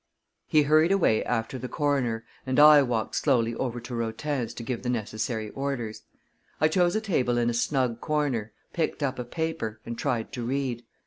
He hurried away after the coroner, and I walked slowly over to Rotin's to give the necessary orders. I chose a table in a snug corner, picked up a paper, and tried to read.